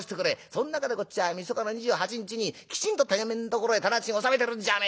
そん中でこっちはみそかの２８日にきちんとてめえのところへ店賃納めてるんじゃねえか。